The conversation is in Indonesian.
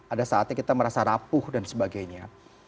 ada saatnya kita merasa rapuh dan sebagainya